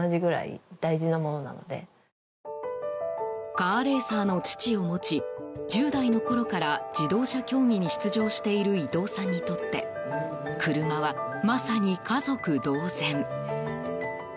カーレーサーの父を持ち１０代のころから自動車競技に出場している伊藤さんにとって車は、まさに家族同然。